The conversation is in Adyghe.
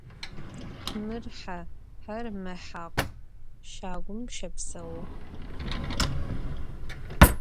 Mır he, her mehakhu, şagum şepseu.